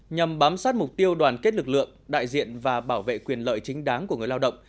nhằm bám sát mục tiêu đoàn kết lực lượng đại diện và bảo vệ quyền lợi chính đáng của người lao động